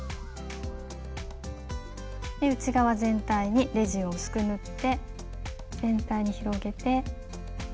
内側全体にレジンを薄く塗って全体に広げて。